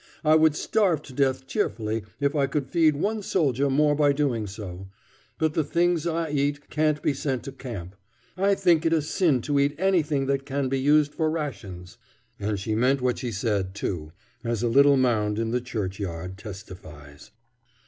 I would starve to death cheerfully if I could feed one soldier more by doing so, but the things I eat can't be sent to camp. I think it a sin to eat anything that can be used for rations." And she meant what she said, too, as a little mound in the church yard testifies.